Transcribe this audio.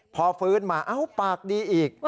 พอฟื้นมาเอ้าปากดีอีก